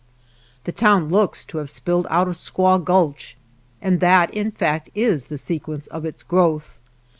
The town looks to have spilled out of Squaw Gulch, and that, in fact, is the se quence of its growth.